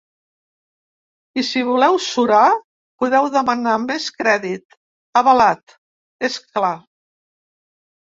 I si voleu surar, podeu demanar més crèdit… avalat, és clar.